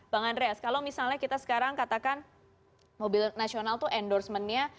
bang andreas kalau misalnya kita sekarang katakan mobil nasional itu endorsementnya